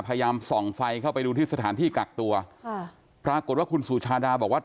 พยายามส่องไฟเข้าไปดูที่สถานที่กักตัวค่ะปรากฏว่าคุณสุชาดาบอกว่า